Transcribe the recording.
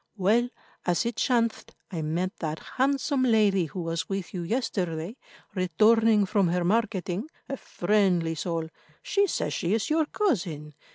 Well, as it chanced, I met that handsome lady who was with you yesterday, returning from her marketing—a friendly soul—she says she is your cousin.